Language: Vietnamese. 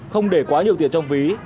không để quá nhiều tiền trong ví